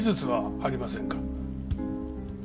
ありません。